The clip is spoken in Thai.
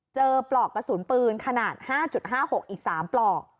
ปลอกกระสุนปืนขนาด๕๕๖อีก๓ปลอก